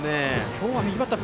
今日は右バッター